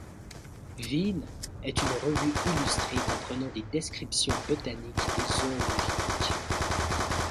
Wien, est une revue illustrée comprenant des descriptions botaniques et zoologiques.